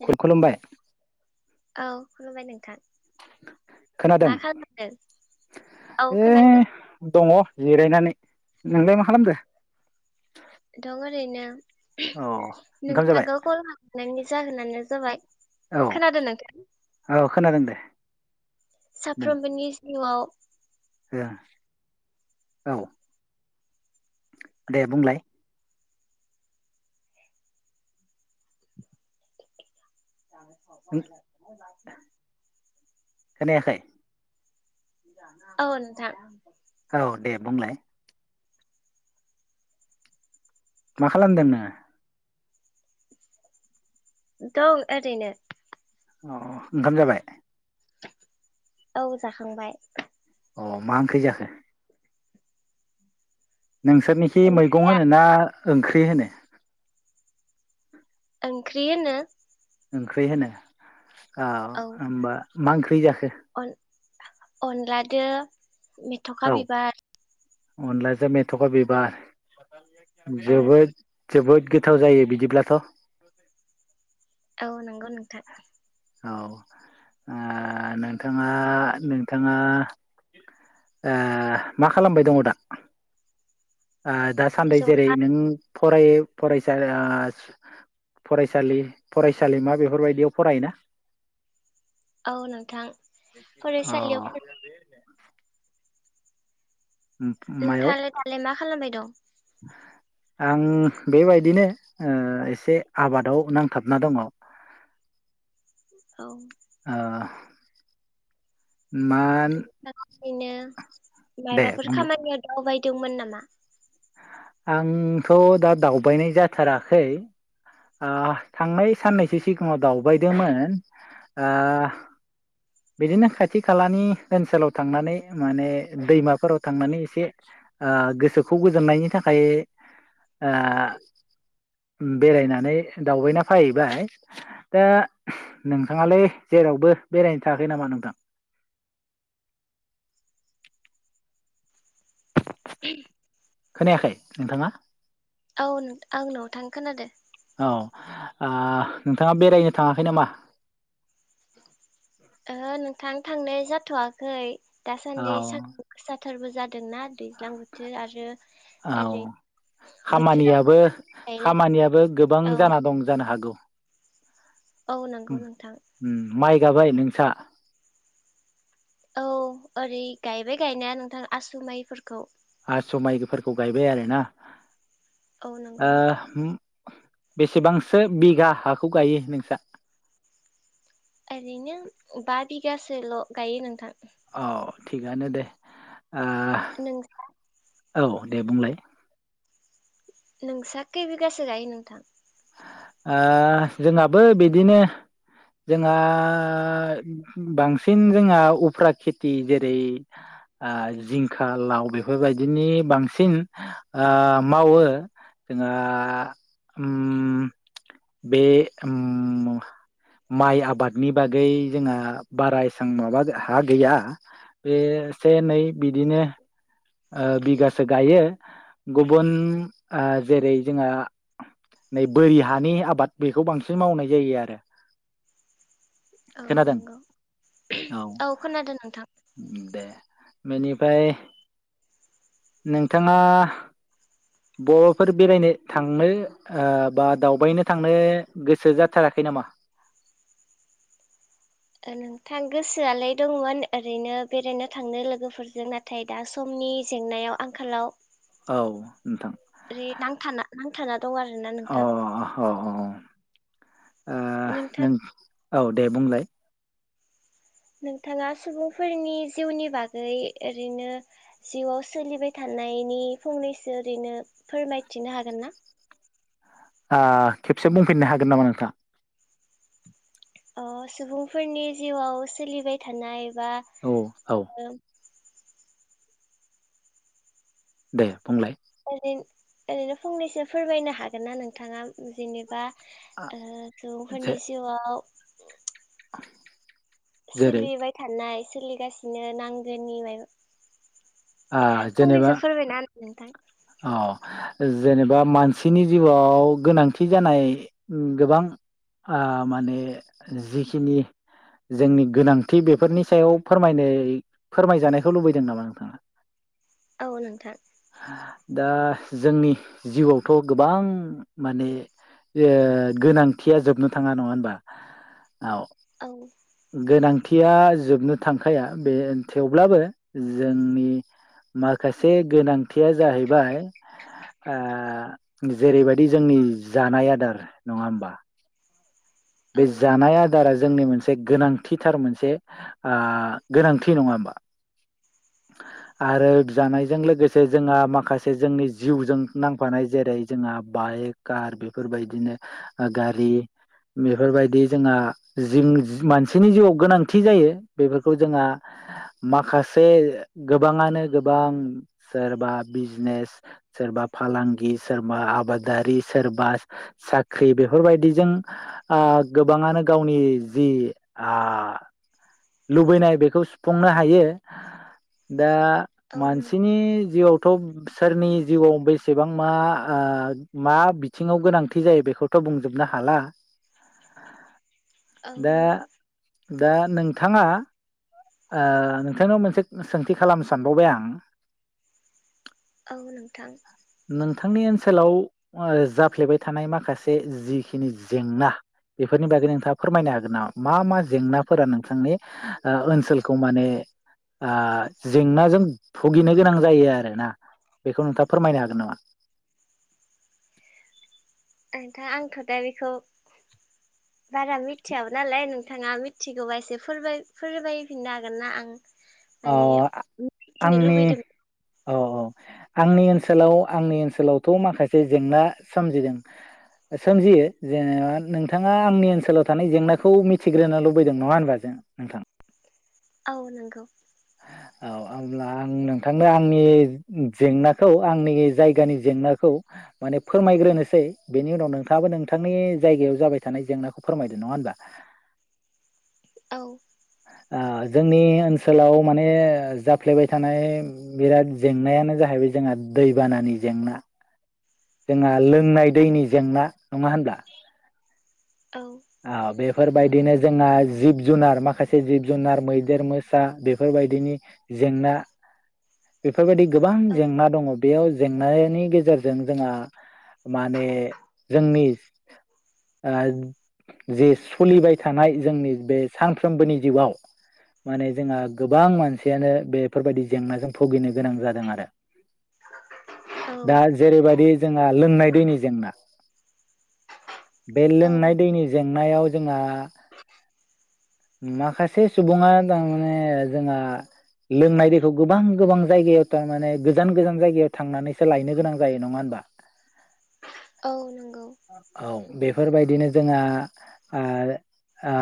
हेल' खुलु खुलुमबाय औ खुलुमबाय नोंथां। खोनादों मा खालामदों औ ए खोनांदों दङ जिरायनानै नोंलाय मा खालामदो? दं ओरैनो औ ओंखाम जाबाय नोंथांखौ कल खालामनायनि जाहोनानो जाबाय औ खोनादों नोंथां औ खोनादों दे साफ्रोमबोनि जिउआव दे औ दे बुंलाय खोनायाखै [unintelligible] औ नोंथां औ दे बुंलाय? मा खालामदों नोङो? दं ओरैनो। अ ओंखाम जाबाय? औ जाखांबाय। अ मा ओंख्रि जाखो? नोंसोरनिखै मैगं होनो ना ओंख्रि होनो? ओंख्रि होनो। ओंख्रि होनो। औ होमबा मा ओंख्रि जाखो? अन अनलाजों मेथ'खा औ बिबार। अनलाजों मे थ'खा बिबार औ जोबोद जोबोद गोथाव जायो बिदिब्लाथ'। औ नोंगौ नोंथां। औ ओ नोंथाङा, नोंथाङा ओ मा खालामबाय दङ दा? ओ दासान्दै जेरै जला नों फराय फरायसा ओ फरायसालि फरायसालिमा बेफोरबायदियाव फरायोना? औ नोंथां फरायसालियाव अह। मायाव नोंथाङालाय दालाय मा खालामबाय दं? आं बेबायदिनो ओ एसे आबादाव नांथाबना दङ। औ। ओ [unintelligible] दे मायबाफोर बुंलाय खामानिया दावबाय दोंमोन नामा? आंथ' दा दावबायनाय जाथाराखै। ओ थांनाय साननैसो सिगाङाव दावबायदोंमोन ओ बिदिनो खाथि खालानि ओनसोलाव थांनानै माने दैमाफोराव थांनानै एसे ओ गोसोखौ गोजोननायनि थाखाय ओ बेरायना नै दावबायना फैबाय दा नोंथाङालै जेरावबो बेरायनो थाङाखै नामा नोंथां? ब [unintelligible] खोनायाखै नोंथाङा? औ नों आं नथां खोनादो। औ आह नोंथाङा बेरायनो थाङाखै नामा? ओहो नोंथां थांनाय जथ'वाखै। दा औ सानदि सानदुं गोसा थारबो जा दोंना दैज्लां बोथोर आरो औ ओरै बोथोरा खामानियाबो गायनाय खामानियाबो गोबां औ। जाना दं जानो हागौ औ नोंगौ नोंथां। जाबाय नोंसा। औ ओरै गायबाय गायनाया नोंथां आसु माइफोरखौ। आसु माइफोरखौ गायबाय आरोना। औ नंगौ ओ नोंथां उम बेसेबांसो बिगा हाखौ गायो नोंसा? गासेल' गायो नोंथां। औ थिगानो दे। नों ओ औ दे बुंलाय। नोंसा खै बिगासो गायो नोंथां? ओह जोंहाबो बिदिनो जोंहा बांसिन जोंहा उफ्रा खेथि जेरै ओ जिंखा, लाव बेफोरबायदिनि बांसिन ओह मावो जोंहा ओम बे ओम माइ आबादनि बागै जोंहा बारा एसां माबा हा गैया बेसे नै बिदिनो ओ बिगासो गायो गुबुन जेरै जोंहा नै बोरि हानि आबाद बेखौ बांसिन मावनाय जायो आरो औ खोनादों नंगौ औ खोनादों नोंथां दे बेनिफ्राय नोंथाङा बरफोर बेरायनो थांनो ओ बा दावबायनो ओ थांनो गोसो जाथाराखै नामा? नोंथां गोसोआलाय दंमोन ओरैनो बेरायनो थांनो लोगोफोरजों नाथाय दा समनि जेंनायाव आंखालाव औ नोंथां थांआ दं आरोना अ नोंथां आ नोंथां नों औ दे बुंलाय नोंथाङा सुबुंफोरनि जिउनि बागै ओरैनो जिउआव सोलिबाय थानायनि फंनैसो ओरैनो फोरमायथिनो हागोन ना? ओ खेबसे बुंफिननो हागोन नामा नोंथाङा? अ सुबुंफोरनि जिउआव सोलिबाय थानाय बा औ दे बुंंलाय ओरै ओरैनो फंनैसो फोरमायनो हागोन ना नोंथाङा जेनेबा ओ जे सुबुंफोरनि जिउआव जेरै सोलिबाय थानाय सोलिगासिनो नांगोनि मायबा फंनैसो फोरबायना होनाय नोंथां औ जेनेबा मानसिनि जिउआव गोनांथि जानाय गोबां आ माने जिखिनि जोंनि गोनांथि बेफोरनि सायाव फोरमायनोय फोरमायजानायखौ लुबैदों नामा नोंथांङा? औ नोंथां दा जोंनि जिउआवथ गोबां माने गोनांथिया जोबनो थाङा नङा होनबा औ औ गोनां थिया जोबनो थांखाया बे थेवब्लाबो जोंनि माखासे गोनांथिया जाहै बाय ओ जेरैबायदि जोंनि जानाय आदार नङा होमबा औ बे जानाय आदारा जोंनि मोनसे गोनांथिथार मोनसे ओ गोनांथि नङा होमबा आरो जानायजों लोगोसे जोंहा माखासे जोंनि जिउजों नांफानाय जेरै जोंहा बाइक कार बेफोरबायदिनो गारि बेफोरबायदि जोंहा जिं मानसिनि जिउआव गोनांथि जायो बेफोरखौ जोंहा माखासे से गोबाङानो गोबां सोरबा बिजनेस सोरबा फालांगि सोरबा आबादारि सोरबा साख्रि बेफोरबायदिजों ओ गोबाङानो गावनि जि ओ लुबैनाय बेखौ सुफुंनो हायो दा औ नों मानसिनि जिउआव थ सोरनि जिउआव बेसेबां मा ओ मा बिथिङाव गोनांथि जायो बेखौथ बुंजोबनो हाला औ दा नंगौ दा नोंथाङा ओ नोंथांनाव मोनसे सोंथि खालामनो सानबावबाय आं औ नोंथां। थांनि ओनसोलाव ओ जाफ्लेबाय थानाय माखासे जिखिनि जेंना बेफोरनि बागै नोंथाङा फोरमायनो हागोन नामा मा मा जेंनाफोरा नोंथांनि ओन ओनसोलखौ माने ओ जेंनाजों भुगिनो गोनां जायो आरो ना बेखौ नोंथाङा फोरमायनो हागोन नामा। नोंथां आंथ दा बेखौ बारा मिथियाबो नालाय नोंथाङा मिथिगौबा एसे फोरमाय फोरमायफिननो हागोन ना आं माने अ मिथिनो आंनि लुबैदों अ अ आंनि ओनसोलाव आंनि ओनसोलावथ माखासे जेंना सोमजिदों सोमजियो जेनेबा नोंथाङा आंनि ओनसोलाव थानाय जेंनाखौ मिथिग्रोनो लुबैदों नङा होनबा जों नोंथां। औ नंगौ। औ अब्ला आं नोंथांनो आंनि जेंनाखौ आंनि जायगानि जेंनाखौ माने फोरमायग्रोनोसै बेनि उनाव नोंथाङाबो नोंथांनि जायगायाव जाबाय थानाय जेंनाखौ फोरमायदो नङा होमबा। औ। ओ जोंनि ओनसोलाव माने जाफ्लेबाय थानाय बिराद जेंनायानो जाहैबाय जोंहा दैबानानि जेंना। [unintelligible] लोंनाय दैनि जेंना। नङा होनब्ला। औ औ बे फोरबायदिनो जोंहा जिब जुनार माखासे जिब जुनार मैदेर मोसा बेफोरबायदिनि जेंना बेफोरबायदि गोबां औ जेंना दङ बेयाव जेंनानि गेजेरजों जोंहा माने जोंनि ओ जे सलिबाय थानाय जोंनि बे सानफ्रोमबोनि जिउआव माने जोंहा गोबां मानसियानो बेफोरबायदि जेंनाजों भुगिनो गोनां जादों आरो। औ दा जेरैबायदि जोंहा लोंनाय दैनि जेंना। बे औ लोंनाय दैनि नायाव जोंहा माखासे सुबुङा थारमाने जोंहा लोंनाय दैखौ गोबां गोबां जायगायाव थारमाने गोजान गोजान जायगायाव थांनानैसो लायनो गोनां जायो नङा होनबा। औ नं औ बेफोरबायदिनो। जोंहा ओ ओ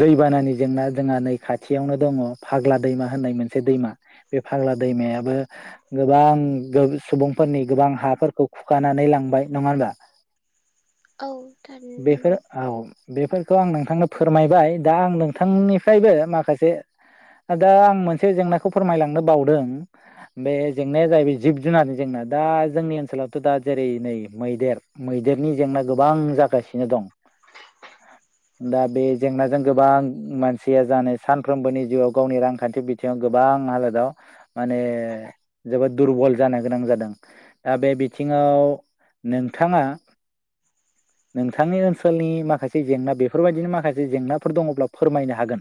दैबानानि जेंना जोंहा नै खाथियावनो दङ फाग्ला दैमा। होननाय मोनसे दैमा बे फाग्ला दैमायाबो गोबां गो सुबुंफोरनि गोबां हाफोरखौ खुखानानै लांबाय नङा होमबा। औ थारैनो नंगौ। बेफोरखौ आं नोंथांनो फोरमायबाय दा आं नोंथांनिफ्रायबो माखासे दा आं मोनसे जेंनाखौ फोरमायलांनो बावदों बे जेंनाया जाहैबाय जिब जुनार जेंना दा जोंनि ओनसोलावथ' दा जेरै नै मैदेर देरनि जेंना गोबां जागासिनो दं दा बे जेंनाजों गोबां मानसिया जानाय सानफ्रोमबोनि जिउआव गावनि रांखान्थि बिथिङाव गोबां हालोदाव माने जोबोद दुरबल जानो गोनां जादों दा बे बिथिङाव नोंथाङा नोंथांनि ओनसोलनि माखासे जेंना बेफोरबायदिनि माखासे जेंनाफोर दङब्ला फोरमायनो हागोन।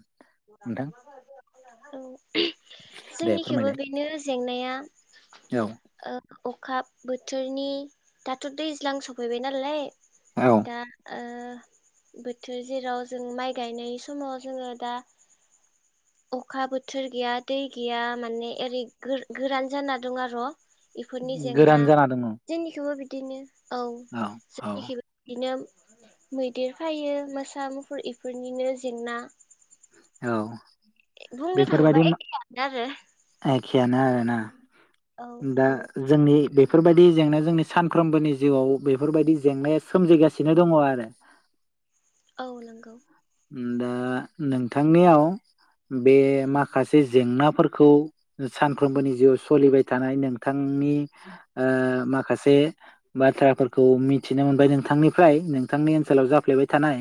नोंथां औ दे जोंनिखेबो फोरमायलाय बेनो जेंनाया औ ओ अखा बोथोरनि दाथ' दैज्लां सफैबाय नालाय। औ दा ओ बोथोर जेराव जों माइ गायनाय समाव जोङो दा अखा बोथोर गैया दै गैया माने ओरै गोर-गोरान जाना दं आर' इफोरनि गोरान जेंना जाना दङ औ जोंनिखौबो बि दिनो औ, औ जोंनिखिबो बिदिनो मैदेर फायो मोसा मुफुर इफोरनिनो जेंना औ बुंनो बेफोरबायदि थाङोबा एखेनो आरो [inaudible] एखियानो आरोना। औ दा औ जोंनि बे फोरबायदि जेंना जोंनि सानफ्रोमबोनि जिउआव बेफोरबायदि जेंनाया सोमजिगासिनो दङ' आरो। औ नंगौ। उम दा नोंथांनियाव बे माखासे जेंनाफोरखौ सानफ्रोमबोनि जिउआव सोलिबाय थानाय नोंथांनि ओ माखासे बाथ्राफोरखौ मिथिनो मोनबाय नोंथांनिफ्राय नोंथांनि ओनसोलाव जाफ्लेबाय थानाय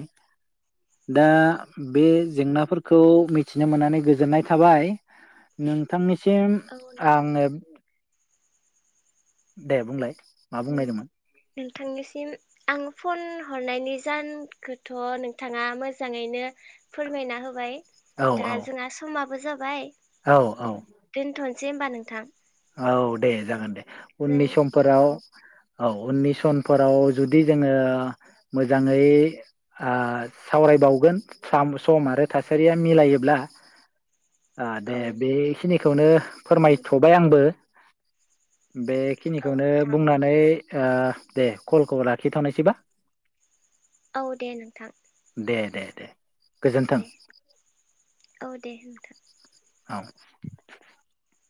दा बे जेंनाफोरखौ मिथिनो मोननानै गोजोननाय थाबाय नोंथांनि सिम औ नोंथां आङो [inaudible] दे बुंलाय मा नों बुंनोयदोंमोन? नोंथांनिसिम आं फन हरनायनि जाहोनखौथ' नोंथाङा मोजाङैनो फोरमायना होबाय। औ दा औ जोंहा समा बो जाबाय औ औ। सै होनोमबा नोंथां। औ दे जागोन दे। जों उननि समफोराव औ उननि सनफोराव जुदि जोङो मोजाङै ओ सावरायबावगोन साम- सम आरो थासारिया मिलायोब्ला ओ दे औ बेखिनिखौनो औ फोरमायथ'बाय आं [inaudible] औ बेखिनिखौनो नोंथां बुंनानै ओ दे कलखौ लाखिथ'नोसैबा? औ दे नोंथां। दे दे दे। गोजोन्थों दे [inaudible] औ दे नोंथां। औ [inaudible]